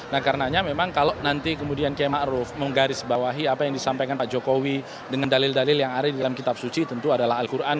nah karenanya memang kalau nanti kemudian kiai ⁇ maruf ⁇ menggarisbawahi apa yang disampaikan pak jokowi dengan dalil dalil yang ada di dalam kitab suci tentu adalah al quran